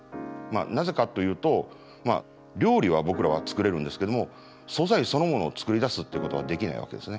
なぜかというと料理は僕らは作れるんですけども素材そのものを作り出すっていうことはできないわけですね。